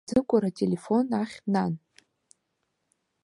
Ӡыкәыр, ателефонт ахь, нан!